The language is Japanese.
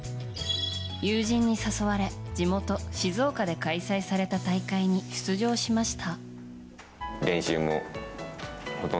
友人に誘われ地元・静岡で開催された大会に出場しました。